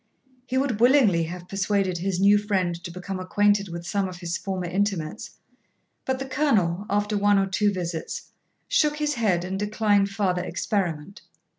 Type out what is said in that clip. He would willingly have persuaded his new friend to become acquainted with some of his former intimates. But the Colonel, after one or two visits, shook his head, and declined farther experiment.